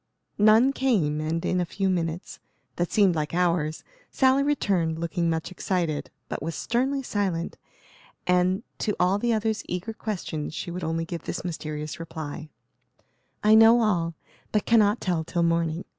None came, and in a few minutes, that seemed like hours, Sally returned, looking much excited; but was sternly silent, and, to all the other's eager questions she would only give this mysterious reply: "I know all, but cannot tell till morning.